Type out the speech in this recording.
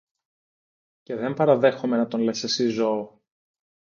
Και δεν παραδέχομαι να τον λες εσύ ζώο.